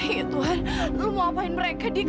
ya tuhan lu mau apain mereka dik